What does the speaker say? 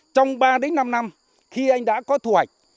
trong ba đến năm năm khi anh đã có thu hoạch